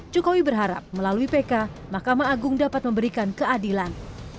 jokowi berharap melalui pk makam agung dapat memberikan keadilan